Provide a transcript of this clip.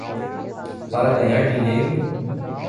Para ganhar dinheiro